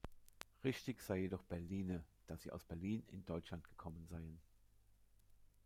Richtig sei jedoch "berline", da sie aus Berlin in Deutschland gekommen seien.